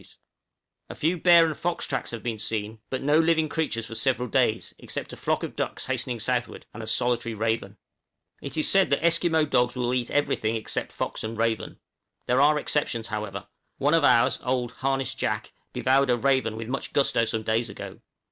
"} A few bear and fox tracks have been seen, but no living creatures for several days, except a flock of ducks hastening southward, and a solitary raven. It is said that Esquimaux dogs will eat everything except fox and raven. There are exceptions, however; one of ours, old "Harness Jack," devoured a raven with much gusto some days ago.